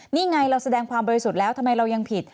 นี่ไงเราแสดงความบริสุทธิ์แล้วทำไมเรายังผิด